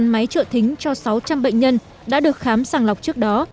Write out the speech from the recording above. căn máy trợ thính cho sáu trăm linh bệnh nhân đã được khám sàng lọc trước đó